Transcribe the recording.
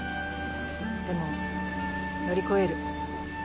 でも乗り越える。